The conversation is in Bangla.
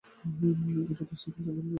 এটা তো সাইকেল চালানোর রাস্তা, তাই না?